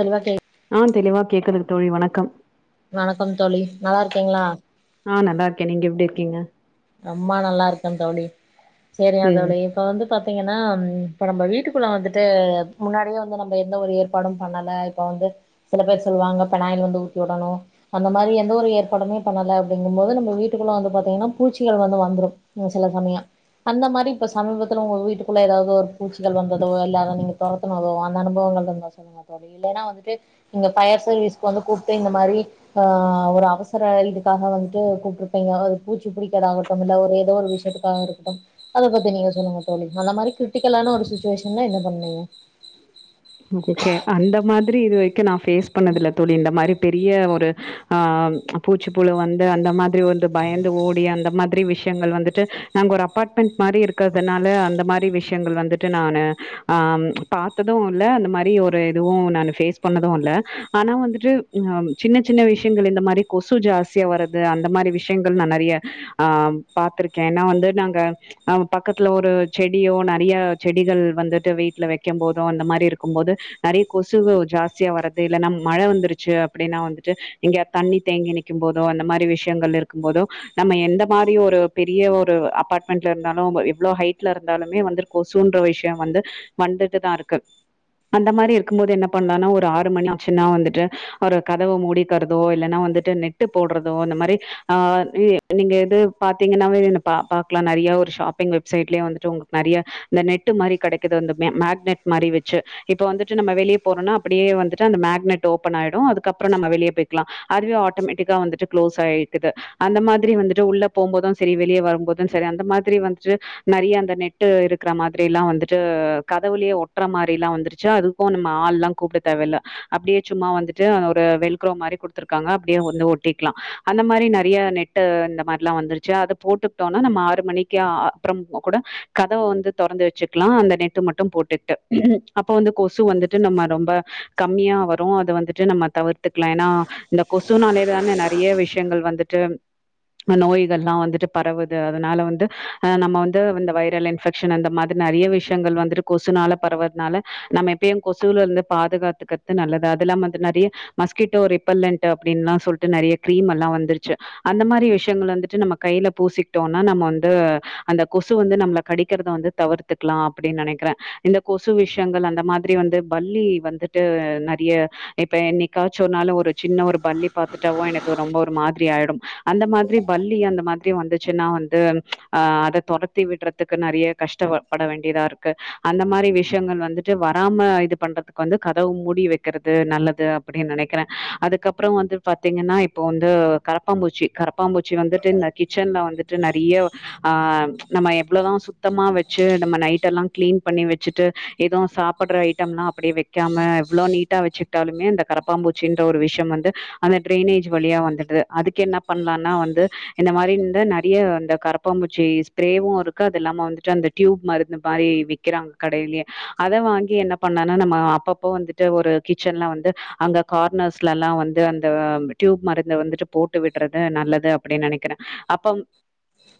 தெளிவா கேக் ஆ தெளிவா கேக்குதுங் தோழி வணக்கம் வணக்கம் தோழி நல்லா இருக்கீங்ளா ஆ நல்லா இருக்கே நீங்க எப்டி இருக்கீங்க ரொம்ப நல்லா இருக்கே தோழி செரியா ம் தோழி இப்போ வந்து பார்த்தீங்கன்னா இப்போ நம்ம வீட்டுக்குள்ள வந்துட்டு முன்னாடியே வந்து நம்ம எந்த ஒரு ஏற்பாடும் பண்ணல இப்ப வந்து சில பேர் சொல்லுவாங்க பிணாயில வந்து ஊத்தி விடணு அந்த மாரி எந்த ஒரு ஏற்பாடுமே பண்ணல அப்டிங்கும்போது நம்ம வீட்டுக்குள்ள வந்து பாத்தீங்கனா பூஞ்சிகள் வந்து வந்துரு ம் சில சமையோ அந்த மாரி இப்ப சமீபத்துல உங்க வீட்டுக்குள்ள ஏதாவது ஒரு பூச்சிகள் வந்ததோ இல்ல அத நீங்க தொர த்தனதோ அந்த அனுபவங்கள் இருந்த சொல்லுங்க தோழி இல்லன்னா வந்துட்டு இங்க ஃபயர் சர்வீஸ்கு வந்து கூப்டு இந்த மாரி ஆ ஒரு அவசர இதுக்காக வந்துட்டு கூப்டுருப்பீங்க அ பூச் சு புடிக்கதாகட்டும் இல்ல ஒரு ஏதோ ஒரு விஷயத்துக்காக இருக்கட்டு அத பத்தி நீங்க சொல்லுங்க தோழி அந்த மாரி கிரிட்டிக்கலான ஒரு சுச்சுவேஷன்ல என்ன பண்ணுவீங்க ஓகே அந்த மாதிரி இது வரைக்கு நா ஃபேஸ் பண்ணது இல்ல தோழி இந்த மாரி பெரிய ஒரு ஆ பூச்சிப்புழு வந்து அந்த மா ரி வந்து பயந்து ஓடி அந்த மாதிரி விஷ் யங்கள் வந்துட்டு நாங்க ஒரு அப்பார்ட்மெண்டட் மாரி இருக்கிறதுனால அந்த மாரி விஷயங்கள் வந்துட்டு நானு ஆபார்த்தது இல்ல அந்த மாரி ஒரு இதுவு நா ஃபேஸ் பண்ணது இல்ல ஆனா வந்துட்டு சின்ன சின்ன விஷயங்கள் இந்த மாரி கொசு ஜாஸ்தியா வருது அந்த மாரி விஷயங்கள் நா நறையா ஆ பாத்ருக்கே ஏன்னா வந்து நாங்க அ பக்கத்துல ஒரு செடியோ நறைய செடிகள் வந்துட்டு வீட்ல வைக்கும் போது அந்த மாரி இருக்கும் போது நறைய கொசுவு ஜாஸ்தியா வர்றது இல்லன்னா மழ வந்துருச்சு அப்டின்னா வந்துட்டு இங்க தண்ணி தேங்கி நிக்கும் போதோ அந்த மாரி விஷ்யங்கள் இருக்கும் போதோ நம்ம எந்த மாரி ஒரு பெரிய ஒரு அபார்ட்மெண்ட்ல இருந்தாலு எவ்ளோ ஹைட்ல இருந்தாலுமே வந்துரு கொசுன்ற விஷ்ய வந்து வந்துட்டுதா இருக்கு அந்த மாரி இருக்கும்போது என்ன பண்லனா ஒரு ஆறு மணி ஆச்சின்னா வந்துட்டு ஒரு கதவ மூடிக்கறதோ இல்லன்னா வந்துட்டு நெட்டு போட்றதோ இந்த மாரி ஆ நீங்க எது பாாத்தீங்கன்னாவே என் பா பாக்லா நறைய ஒரு ஷாப்பிங் வெப்சைட்லே வந்துட்டு உங்களுக் நறைய இந்த நெட்டு மாரி கடைக்குது இந்த வ மேக்னெட் மாரி வச் சு இப்ப வந்துட்டு நம்ம வெளிய போறோனா அப்டியே வந்துட்டு அந்த மேக்னட் ஓபன் ஆய்டு அதுக்கப்றோ நம்ம வெளிய போய்க்லா அதுவே ஆட்டோமேட்டிக்கா வந்துட்டு க்ளோஸ் ஆயிக்குது அந்த மாதிரி வந்துட்டு உள்ள போம்போது செரி வெளிய வரும்போது செரி அந்த மாதிரி வந்துட்டு நறைய அந்த நெட்டு இருக்கிற மாதிரிலா வந்துட்டு கதவுளே ஒட்ற மார் டிலா வந்துருச்சு அதுக்கூ நம்ம ஆள்லா கூப்ட தேவல்ல அப்டியே சும்மா வந்துட்டு ஒரு வெல்க்ரோ மாரி குடுத்துருக்காங்க அப்டியே வந்து ஒட்டிக்லா அந்த மாரி நறைய நெ ட்டு இந்த மாரிலா வந்துருச்சு அத போட்டுக்கிட்டோனா நம்ம ஆறு மணிக்க அப்றம்மா கூட கதவ வந்து தொறந்து வச்சுக்கலா அந்த நெட்டு மட்டு போட்டுட்டு அப்போ வந்து கொசு வந்துட்டு நம்ம ரொம்ப கம்மியா வரு அத வந்துட்டு நம்ம தவி ர்த்துக்கலா ஏனா இந்த கொசுனாலய தானே நறைய விஷியங்கள் வந்துட்டு இந்த நோய்கள்லா வந்துட்டு பரவுது அதுனால வந்து அ நம்ம வந்து இந்த வைரல் இன் ஃபெக்ஷன் அந்த மாதிர் நறைய விஷியங்கள் வந்துட்டு கொசுனால பரவதுனால நம்ம எப்பயும் கொசுலருந்து பாதுகாத்துக்கறது நல்லது அது இல்லாம வந்து நறைய மஸ்கிட்டோ ரிப்பல்லண்ட்டு அப்டின்னுலா சொல்ட்டு நறைய கிரீம் எல்லா வந்துருச்சு அந்த மாரி விஷியங்கள் வந்துட்டு நம்ம கையில பூசிக்கிட்டோனா நம்ம வந்து அந்த கொசு வந்து நம்மள கடிக்கிறத வந்து தவிர்த்துக்கலா அப்டி நனைக்கிறே இந்த கொசு விஷியங்கள் அந்த மாதிரி வந்து பல்லி வந்துட்டு நறைய இப்ப என்னி காச்சு ஒரு நாளு ஒரு சின்ன ஒரு பல்லி பாத்துட்டாவு எனக்கு ரொம்ப ஒரு மாதிரி ஆயிடும் அந்த மாதிரி பள்ளி அந்த மாதி ரி வந்துச்சுன்னா வந்து அ அத தொரத்தி விட்றதுக்கு நறைய கஷ்டவப்பட வேண்டியதா இருக்கு அந்த மாரி விஷியங்கள் வந்துட்டு வராம இது பண்றதுக்கு வந்து கதவு மூடி வக்கிறது நல்லது‌ அ ப்படி நனைக்கிறே அதுக்கப்றோ வந்து பாத்தீங்கன்னா இப்ப வந்து கரப்பாம்பூச்சி கரப்பாம்பூச்சி வந்துட்டு நெ கிச்சன்ல வந்துட்டு நறிய ஆ நம்ம எவ்ளோதா சுத்தமா வச்சு நம்ம நைட் எல்லா க்ளீன் பண்ணி வச்சுட்டு எதும் சாப்புட்ற ஐட்டம்னா அப்டியே வைக்காம எவ்ளோ நீட்டா வச்சு ட்டாலுமே அந்த கரப்பாம்பூச்சின்ற ஒரு விஷம் வந்து அந்த ட்ரைனேஜ் வழியா வந்துட்டு அதுக்கு என்ன பண்லானா வந்து இந்த மாரி இந்த நறிய அந்த கரப்பாம்பூச்சி ஸ்ப்ரேவு இருக்கு அது இல்லாம வந்துட்டு அந்த டியூப் மருந்து மாரி வி க்கிறாங்க கடையிலயே அத வாங்கி பண்ணனா நம்ம அப்பப்போ வந்துட்டு ஒரு கிச்சன்லா வந்து அங்க கார்னர்ஸ்லலா வந்து அந்த டியூப் மருந்த வந்துட்டு போட்டு விட்றது நல்லது அப்டி நனைக்கிறே அப்பம்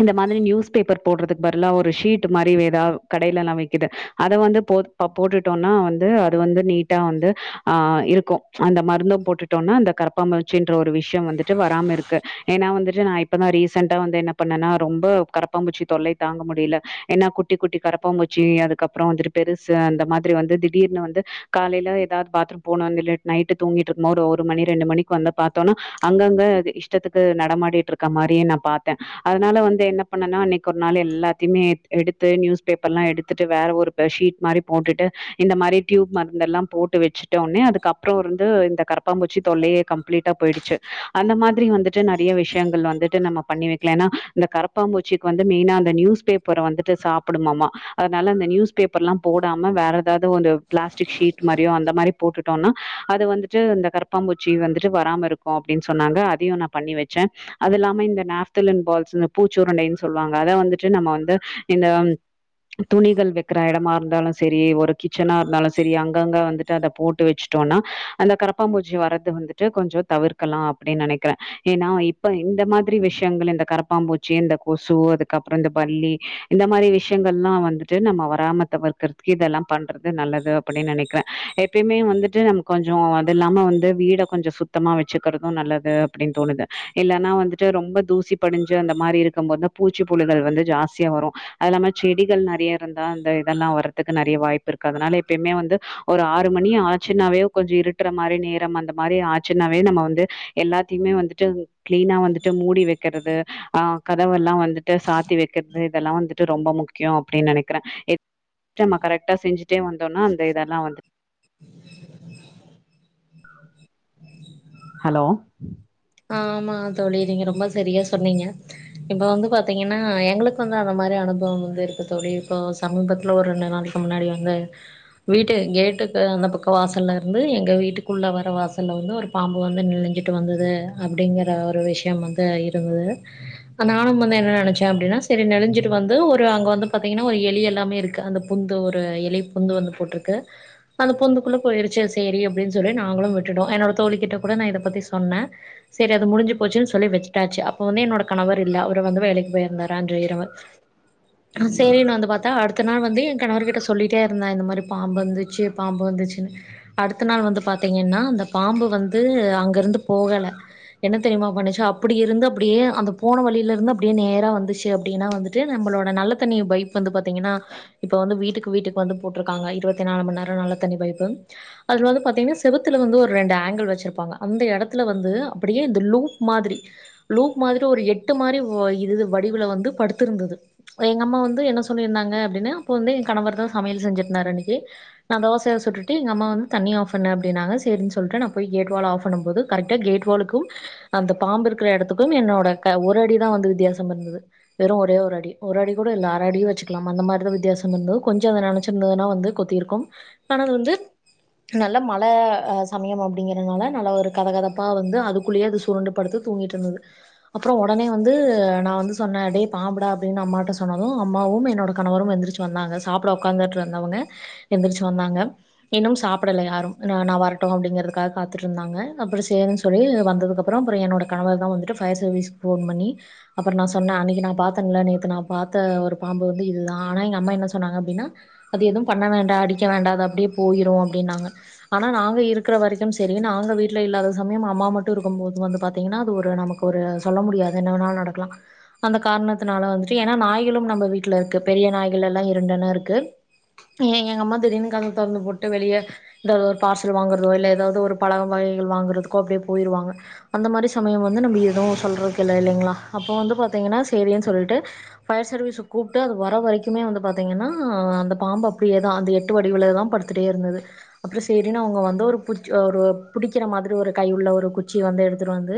இந்த மாதிரி நியூஸ் பேப்பர் போட்றதுக்கு பருலா ஒரு ஷீட்டு மாரி ஏதா கடைலனா வி க்கிது அத வந்து போர் ஆ போட்டுட்டோனா வந்து அது வந்து நீட்டா வந்து ஆ இருக்கோ அந்த மருந்த போட்டுட்டோனா அந்த கரப்பாமூச்சுன்ற ஒரு விஷ்யோ வந்துட்டு வராம இருக்கு ஏனா வந்துட்டு நா இப்பதா ரீசெண்டா வந்து என்ன பண்ணனா ரொம்ப கரப்பாம்பூச்சி தொல்லை தாங்க முடியல ஏனா குட்டி குட்டி கரப்பாம்பூ ச்சி அதுக்கப்றோ வந்துட்டு பெருசு அந்த மாதிரி வந்து திடீர்னு வந்து காலேல ஏதா பாத்ரூம் போனானில்லே நைட்டு தூங்கிட்டுருக்கும்போ ஒரு மணி ரெண்டு மணிக்கு வந்து பா த்தணு அங்கங்க அது இஷ்டத்துக்கு நடமாடிட்டு இருக்க மாரியே நா பாத்த அதுனால வந்து என்ன பண்ணனா அன்னைக்கு ஒரு நாள் எல்லாத்தையுமே எடுத்து நியூஸ் பேப்பர்லா எடுத் துட்டு வேற ஒரு ப ஷீட் மாரி போட்டுட்டு இந்த மாரி டியூப் மருந்தெல்லா போட்டு வச்சு ட்டோனே அதுக்கு அப்றோ வந்து இந்த கரப்பாம்பூச்சி தொல்லையே கம்ப்ளீட்டா போயிடுச்சு அந்த மாதிரி வந்து ட்டு நறைய விஷ்யங்கள் வந்துட்டு நம்ம பண்ணி வைக்கலா ஏனா இந்த கரப்பாம்பூச்சிக்கு வந்து மெயினா அந்த நியூஸ் பேப் பர வந்துட்டு சாப்புடுமாமா அதுனால அந்த நியூஸ் பேப்பர்லா போடாம வேற ஏதாது ஒரு ப்ளாஸ்டிக் ஷீட் மாரியோ அந்த மாரி போட்டு டோனா அது வந்துட்டு இந்த கரப்பாம்பூச்சி வந்துட்டு வராம இருக்கோ அப்டின் சொன்னாங்க அதையு நா பண்ணி வச்ச அது இல்லாம இந்த நாப்தலின் பால்ஸ் இந்த பூச்சுருண்டைன் சொல்லுவாங்க அத வந்துட்டு நம்ம வந்து இந்த துணிகள் வெக்கிற எடமா இருந்தாலு செரி ஒரு கிச்சனா இருந்தாலு செரி அங்கங்க வந்துட்டு அத போட்டு வச்சு ட்டோனா அந்த கரப்பாம்பூச்சி வரது வந்துட்டு கொஞ்சோ தவிர்க்கலா அப்டி நனைக்கிறே ஏனா இப்ப இந்த மாதிரி விஷ்யங்கள் இந்த கரப்பாம்பூச்சி இந்த கொசு அதுக்கப்றோ இந்த பல்லி இந்த மாரி விஷ்யங் கள்லா வந்துட்டு நம்ம வராம தவிர்கறதுக்கு இதெல்லா பண்றது நல்லது அப்படி நனைக்கிறே எப்பயுமே வந்துட்டு நம கொஞ்சோம் அது இல்லாம வந்து வீட கொஞ்சோ சுத்தமா வச்சுக்கிறதும் நல்லது அப்படின் தோணுது இல்லன்னா வந்துட்டு ரொம்ப தூசி படிஞ்சு அந்த மாரி இருக்கும்போது பூச்சிப்புழுகள் வந்து ஜாஸ்தியா வரும் அது இல்லாம செடிகள் நறைய இருந்தா அந்த இதெல்லா வர்றதுக்கு நெறைய வாய்ப்பு இருக்கு அதனால எப்பயுமே வந்து ஒரு ஆறு மணி ஆச்சுனாவே கொஞ்சோ இருட்டுற மாரி நேரம் அந்த மாரி ஆச்சுனாவே நம்ம வந்து எல்லாத்ததியுமே வந்துட்டு கிளீனா வந்துட்டு மூடி வைக்கறது ஆஹ் கதவெல்லா வந் துட்டு சாத்தி வைக்கற்து இதெல்லா வந்துட்டு ரொம்ப முக்யோம் அப்படின் நனைக்கிறேன் எத் நம்ம கரெட்டா செஞ்சு தே வந்தோன்னா அந்த இதெல்லா வந்து ஹலோ ஆமா தோழி நீங்க ரொம்ப சரியா சொன்னீங்க இப்ப வந்து பாத்தீங்கன்னா எங்களுக்கு வந்து அத மாரி அனுபோம் வந்து இருக்கு தோழி இப்போ சமீபத்துல ஒரு ரெண்டு நாளைக்க முன்னாடி வந்து வீட்டு கேட்டுக்கு அந்த பக்கோ வாசல்ல இருந்து எங்க வீட்டுக்குள்ள வர வாசல்ல வந்து ஒரு பாம்பு வந்து நெழஞ்சிட்டு வந்தது அப்படிங்கிற ஒரு விஷயம் வந்து இருந்துது நானும் வந்து என்ன நனைச்சேன் அப்படின்னா சரி நெழஞ்சிட்டு வந்து ஒரு அங்க வந்து பாத்தீங்கன்னா ஒரு எலி எல்லாமே இருக்கு அந்த புந்து ஒரு இலை புந்து வந்து போட்ருக்கு அந்த பொந்துக்குள்ள போயிருச்சு சேரி அப்டின் சொல்லி நாங்களும் விட்டுட்டோம் என்னோட தோழி கிட்ட கூட நா இத பத்தி சொன்ன சரி அது முடிஞ்சி போச்சு சொல்லி வச்சட்டாச்சு அப்போ வந்து என்னோட கணவர் இல்ல அவ வந்து வேலைக் போயிருந்தாரு அன்று இரவு ஆ சேரினு வந்து பாத்தா அடுத் த நாள் வந்து என் கணவர்கிட்ட சொல்லிகிட்டே இருந்த இந்த மாரி பாம்பு வந்துச்சு பாம்பு வந்துச்சுனு அடுத்த நாள் வந்து பாத்தீங்கன்னா இந்தபாம்பு வந்து அங்கருந்து போகல என்ன தெரியுமா பண்ணுச்சு அப்படி இருந்து அப்படியே அந்த போன வழியில இருந்து அப்படியே நேரா வந்துச்சு அப்டின்னா வந்து ட்டு நம்பளோட நல்லத்தண்ணி பைப் வந்து பாத்தீங்கன்னா இப்ப வந்து வீட்டுக்கு வீட்டுக்கு வந்து போட்ருக்காங்க இருபத்தி நாலு ம நேர நல்ல தண்ணி பைப்பு அது வந்து பாத்தீங்கன்னா செவத்துல வந்து ஒரு ரெண்டு ஆங்கிள் வச்சிருப்பாங்க அந்த எடத்துல வந்து அப்டியே இந்த லூப் மாதிரி லூக் மாதிரி ஒரு எட்டு மாரி வ இது வடிவுல வந்து படுத்திருந்தது எங்க அம்மா வந்து என்ன சொல்லியிருந்தாங்க அப்டினு அப்போ வந்து ய கணவர் தா சமையல் செஞ்சிருந்தாரு அன்னக்கி நா தோச சுட்டுட்டு எங்க அமா வந்து தண்ணி ஆஃப் பண்ண அப்டின்னாங்க சேரின் சொல்லிட்டு நான் போய் கேட் வால் ஆஃப் பண்ணும் போது கரெக்ட்டா கேட் வால் க்கும் அந்த பாம்பு இருக்கற இடத்துக்கும் என்னோட க ஒரு அடிதான் வந்து வித்தியாசம் இருந்தது வெறும் ஒரே ஒரு அடி ஒரு அடி கூட இல்ல அறடியும் வச்சுக்கலாம் அந்த மார்தா வித்தியாசம் இந்து கொஞ்சோ அத நனைச்சந்தர்துனா வந்து கொத் தீர்க்கும் ஆனா வந்து நல்ல மழ அ சமயம் அப்படிங்கறனால நல்ல ஒரு கதகதப்பா வந் குள்ளிய அது சுருண்டு படுத்து தூங்கிட்ருந்தது அப்புறோம் ஒடனே வந்து நா வந்து சொன்ன அடே பாம்புடா அப்டின் அம்மாட்ட சொன்னதும் அம்மாவும் என்னோட கணவரும் எந்திரிச்சு வந்தாங்க சாப்ட ஒக்காந்துட்ருந்தவங்க எந்திரிச்சு வந்தாங்க இன்னும் சாப்படல யாரும் நா வரட்டும் அப்படிங்கறதுக்காக காத்துட்ருந்தாங்க அப்புற சேரின் சொல்லி ரப் அதுகப்றோம் பெற என்னோட கணவர் தா வந்துட்டு ஃபயர் சர்வீஸ் ஃபோன் பண்ணி அப்புற நா சொன்ன அன்னைக்கு நா பாத்தன்ல நேத்து நா பாத்த ஒரு பாம்பு வந்து இதுதா ஆனா எங்க அம்மா என்ன சொன்னாங்க அப்டின்னா அது எதும் பண்ண வேண்டா அடிக்க வேண்டா அது அப்டியே போயிரும் அப்டின்னாங்க ஆனா நாங்க இருக்கற வரைக்கும் சரி நாங்க வீட்ல இல்லாத சமயம் அம்மா மட் டுருக்கும் போது வந்து பாத்தீங்கன்னா அது ஒரு நமக்கு ஒரு சொல்ல முடியாது என்ன வேணா நடக்கலாம் அந்த காரணத்துனால வந்துட்டு ஏன்னா நாய்களும் நம்ம வீட்லருக்கு பெரிய நாய்கலெல்லா இருண்டன்னாருக்கு ஏ எங்க அம்மா திடீர்னு கதவ தொறந்து போட்டு வெளிய இந்த ஒரு பார்சல் வாங்கர்தோ இல்ல ஏதாது ஒரு பழம் வகைகள் வாங்குறதுக்கோ அப்டியே போயிருவாங்க அந்த மாரி சமயோ வந்து நம்ம எதூ சொல்றக் இல்ல இல்லிங்களா அப்ப வந்து பாத்திங்கன்னா சேரின் சொல்ட்டு ஃபயர் சர்வீஸ்க்கு கூப்ட்டு அது வர வரைக்குமே வந்து பாத்திங்கன்னா அந்த பாம்பு அப்படியேதா அந்த எட்டு வடிவுலதா படு த்துட்டே இருந்தது அப்பறோ சேரின்னு அவங்க வந்து ஒரு புச் அ ஒரு புடிக்கற மாதிரி ஒரு கை உள்ள ஒ ரு குச்சி வந்து எடுத்துட்டு வந்து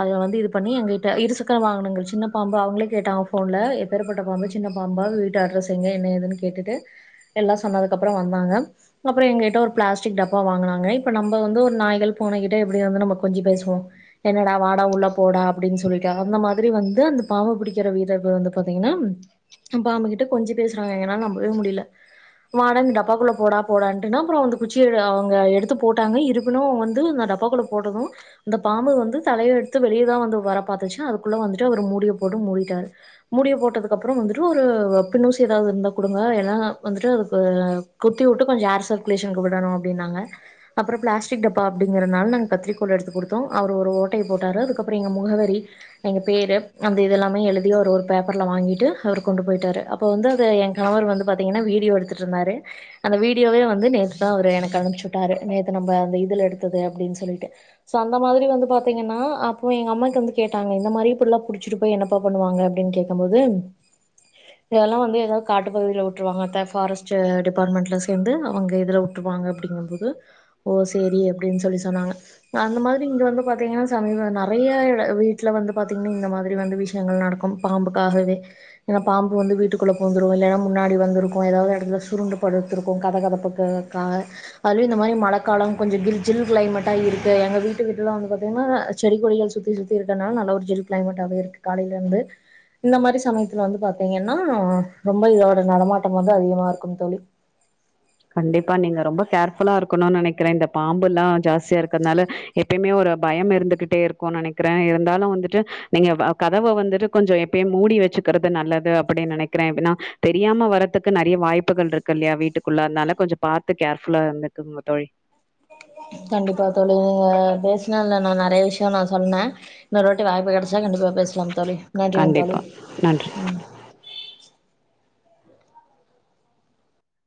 அதுல வந்து இது பண்ணி எங்கிட்ட இருசக்கர வாகனங்கள் சின்ன பாம்பு அவங்கள கேட்டாங்க போன்ல எப் பேருப்பட்ட பாம்பு சின்ன பாம்பா வீட்டு அட்ரஸ் எங்க என்ன ஏதுன்னு கேட்டுட்டு எல்லா சொன்னதுக்கப்பறோ வந்தாங்க அப்பறோ எங்ககிட்ட ஒரு பிளாஸ்டிக் டப்பா வாங்குனாங்க இப்ப நம்ப வந்து ஒரு நாய்கள் பூனைக்கிட்ட எப்படி வந்து நம்ப கொஞ்சி பேசுவோ என்னடா வாடா உள்ள போடா அப்படின்னு சொல்லிட்டா அந்த மாதிரி வந்து அந்த பாம்ப பிடிக்கற வீரர்கள் வந்து பாத்திங்கன்னா அ பாம்புகிட்ட கொஞ்சி பேசறாங்க எங்கனால நம்பவே முடில வாடன் டப்பாக்குள்ள போடா போடான்ட்டுனா அப்பறோ வந்து குச்சி எடு அவுங்க எடுத்து போட்டாங்க இருப்பினு வந்து நா டப் பாக்குள்ள போடணு அந்த பாம்ப வந்து தலைல எடுத்து வெளியதா வந்து வர பாத்துச்சு அதுக்குள்ள வந்துட்டு அவரு மூடிய போடு மூடிட்டாரு மூடிய போட்டதுக்கு அப்பறோ வந்துட்டு ஒரு பின்னூசி எதாவது இருந்தா குடுங்க எனா வந்துட்டு அதுக்கு குத்தியூட்டு கொஞ்ச ஏர் சர்குலேஷன்க்கு விடணு அப்டின்னாங்க அப்பறோ பிளாஸ்டிக் டப்பா அப்டிங்கறனால நாங் கத்திரிக் கோல் எடுத்து குடுத்தோ அவரு ஒரு ஓட்டைய போட்டாரு அதுக்கப்பறோ எங்க முகவரி எங்க பேர் அப்றோ இதெல்லாமே எழுதி அவரு ஒரு பேப்பர்ல வாங்கீட்டு அவரு கொண்டு போயிட்டாரு அப் ப வந்து அத ஏ கணவர் வந்து பாத்திங்கன்னா வீடியோ எடுத்துட்ருந்தாரு அந்த வீடியோவே வந்து நேத்துதா அவரு எனக்கு அனுப்ச்சுட்டாரு நேத்து நம்ப அந்த இதுல எடுத்தது அப்டின் சொல்லீட்டு சோ அந்த மாதிரி வந்து பாத்திங்கன்னா அப்போ எங்க அம்மாக்கு வந்து கேட்டாங்க இந்த மாரி இப்புல்லா பிடிச்சிட்டு போய் என்னப்பா பண்ணுவாங்க அப்டின்னு கேக்கும் போது இதல்லா வந்து எதாவ் காட்டு பகுதியில உட்டுருவாங்க த ஃபாரஸ்ட்டு டிபார்ட்மெண்ட்ல சேந்து அவங்க இதுல உட் ட்டுவாங்க அப்படிங்கும் போது ஓ சேரி அப்டின்னு சொல்லி சொன்னாங்க அ அந்த மாதிரி இங்க வந்து பாத்திங்கன்னா சமீப நெறைய இட வீட்ல வந்து பாத்திங்கன்னா இந்த மாதிரி வந்து விஷயங்கள் நடக்கும் பாம்புக்காகவே ஏன்னா பாம்பு வந்து வீட்டுக்குள்ள பூந்துரு இல்லன்னா முன்னாடி வந்துருக்கு எதாவ்து எடந்தா சுருண்டு படுத்துருக்கு கதகதப்புக்கு கா அதுவு இந்த மாரி மழக்காலம் கொஞ்சோ கில் ஜில் கிளைமேட்டா இரு க்கு எங்க வீட்டு விட்ளா வந்து பாத்தின்னா செடி கொடிகள் சுத்தி சுத்தி இருக்கறனால நல்ல ஒரு ஜில் கிளைமேட்டாவே இருக்கு காலைல இருந்து இந்த மாரி சமயத்துல வந்து பாத்திங்கன்னா ரொம்ப இதோட நடமாட்டம் வந்து அதிகமா இருக்கும் தோழி கண்டிப்பா நீங்க ரொம்ப கேர்ஃபுல்லா இருக்கணுன் நெனைக்கறே இந்த பாம்புல்லா ஜாஸ்தியா இருக்கறனால எப்பயுமே ஒரு பயம் இருந்துகிட்டே இருக்குன் நெனைக்கறே இருந்தாலு வந்துட்டு நீங்க வ கதவ வந்துட்டு கொஞ்சோ எப்பயு மூடி வெச்சுக்கறது நல்லது அப்படின் நெனைக்கறே எனா தெரியாம வர்றதுக்கு நெறைய வாய்ப்புகள்ரு க்கு இல்லயா வீட்டுக்குல்லார்னால கொஞ்ச பாத்து கேர்ஃபுல்லா இருந்துக்கங்க தோழி கண்டிப்பா தோழி நீங்க பேசுனதுல நா நெறய விஷயோ நா சொன்ன இன்னொருவாட்டி வாய்ப்பு கெடச்சா கண்டிப்பா பேசலாம் தோழி நன்றிங்க கண்டிப்பா தோழி நன்றி